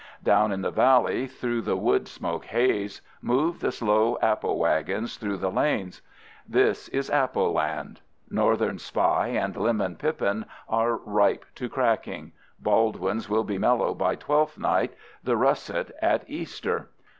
Down in the valley, through the wood smoke haze, move the slow apple wagons through the lanes. This is appleland. Northern Spy and Lemon Pippin are ripe to cracking; Baldwins will be mellow by Twelfth night, the russet at Easter.